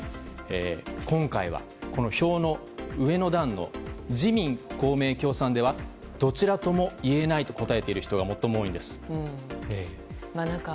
今回は、この表の上の段の自民・公明、共産ではどちらとも言えないと答えている人が最も多いんです。